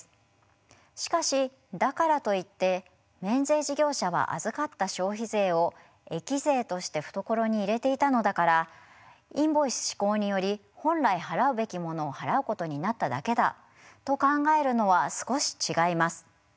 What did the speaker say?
しかしだからといって免税事業者は預かった消費税を益税として懐に入れていたのだからインボイス施行により本来払うべきものを払うことになっただけだと考えるのは少し違います。